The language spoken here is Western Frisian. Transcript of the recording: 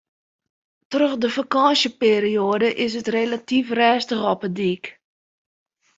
Troch de fakânsjeperioade is it relatyf rêstich op 'e dyk.